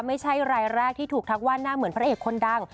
ไม่ใช่รายแรกที่ถูกทักว่าหน้าเหมือนพระเอกคนดัง